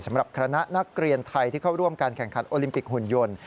สำหรับคณะนักเรียนไทยที่เข้าร่วมการแข่งขันโอลิมปิกหุ่นยนต์